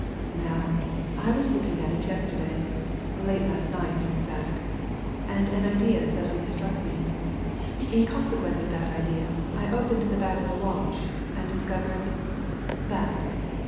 Now, I was looking at it yesterday late last night, in fact and an idea suddenly struck me. In consequence of that idea, I opened the back of the watch, and discovered that!"